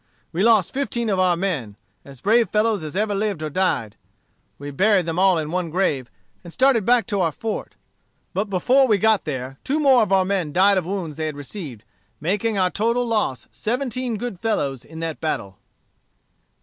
We lost fifteen of our men, as brave fellows as ever lived or died. We buried them all in one grave, and started back to our fort. But before we got there, two more of our men died of wounds they had received, making our total loss seventeen good fellows in that battle."